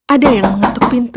ada yang mengetuk pintu